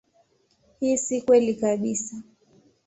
Hii si kweli kabisa.